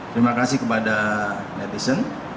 terima kasih kepada netizen